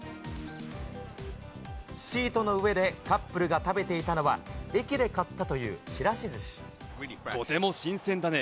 シートの上でカップルが食べていたのは、駅で買ったというちらしとても新鮮だね。